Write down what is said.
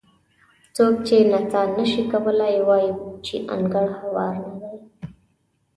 څوک چې نڅا نه شي کولی وایي چې انګړ هوار نه دی.